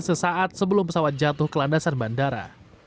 sesaat sebelum pesawat jatuh ke landasan bandara